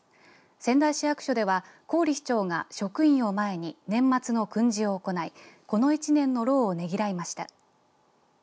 仙台市役所では郡市長が職員を前に年末の訓示を行いこの１年の労をねぎらいました。